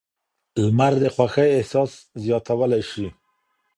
لمر د خوښۍ احساس زیاتولی شي.